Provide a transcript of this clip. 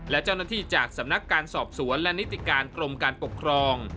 และเจ้าหน้าที่จากสำนักการสอบสวนและนิติการกรมการปกครอง